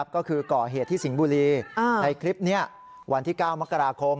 ก็คือก่อเหตุที่สิงห์บุรีในคลิปนี้วันที่๙มกราคม